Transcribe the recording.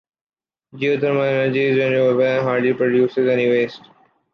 Geothermal energy is renewable and hardly produces any waste.